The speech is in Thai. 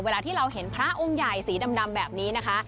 เวลาที่เราเห็นพระองค์ใหญ่สีดำแบบนี้นะคะ